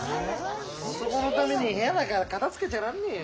男のために部屋なんか片づけちゃらんねえよ。